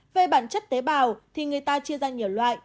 về bản chất tế bào thì người ta chia ra nhiều loại